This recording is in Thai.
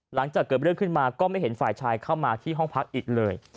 หลังจากเกิดเรื่องขึ้นมาก็ไม่เห็นฝ่ายชายเข้ามาที่ห้องพักอีกเลย